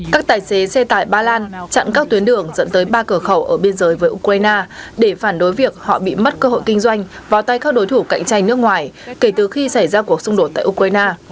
các tài xế xe tải ba lan chặn các tuyến đường dẫn tới ba cửa khẩu ở biên giới với ukraine để phản đối việc họ bị mất cơ hội kinh doanh vào tay các đối thủ cạnh tranh nước ngoài kể từ khi xảy ra cuộc xung đột tại ukraine